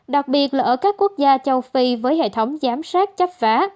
đặc biệt là ở các quốc gia châu phi với hệ thống giám sát chấp phá